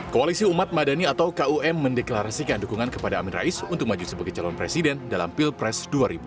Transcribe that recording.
koalisi umat madani atau kum mendeklarasikan dukungan kepada amin rais untuk maju sebagai calon presiden dalam pilpres dua ribu dua puluh